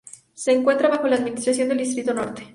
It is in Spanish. Se encuentra bajo la administración del Distrito Norte.